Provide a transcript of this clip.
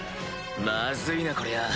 まずいなこりゃ